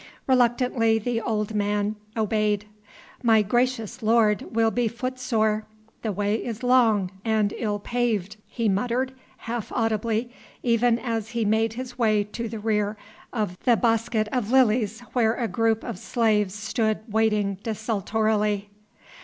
Reluctantly the old man obeyed. "My gracious lord will be footsore the way is long and ill paved " he muttered, half audibly, even as he made his way to the rear of the bosquet of lilies where a group of slaves stood waiting desultorily.